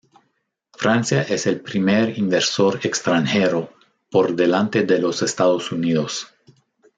Francia es el primer inversor extranjero, por delante de los Estados Unidos.